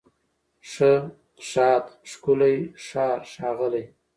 ښه، ښاد، ښکلی، ښار، ښاغلی